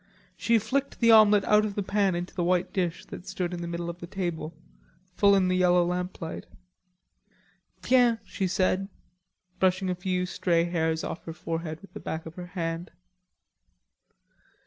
She flicked the omelette out of the pan into the white dish that stood in the middle of the table, full in the yellow lamplight. "Tiens," she said, brushing a few stray hairs off her forehead with the back of her hand.